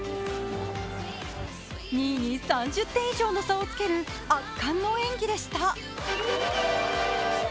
２位に３０点以上の差をつける圧巻の演技でした。